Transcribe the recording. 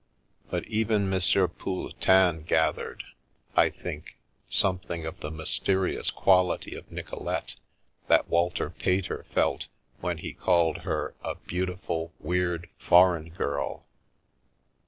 But even M. Pouletin gathered, I think, something of the mysterious quality of Nicolete that Walter Pater felt when he called her a " beautiful, weird, foreign girl."